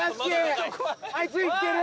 あいつ生きてる？